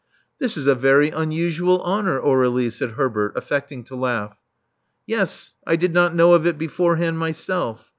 This is a very unusual honor, Aur^lie," said Herbert, affecting to laugh. Yes, I did not know of it beforehand myself.